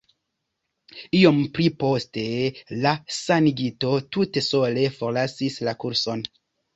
Iom pli poste la sanigito tute sole forlasis la kurson.